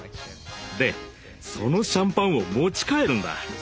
でそのシャンパンを持ち帰るんだ。